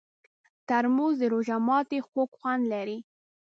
ترموز د روژه ماتي خوږ خوند لري.